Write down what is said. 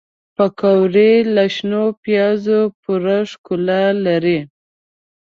پکورې له شنو پیازو پوره ښکلا لري